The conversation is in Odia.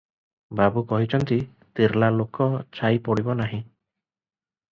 ବାବୁ କହିଛନ୍ତି, ତିର୍ଲା ଲୋକ ଛାଇ ପଡ଼ିବ ନାହିଁ!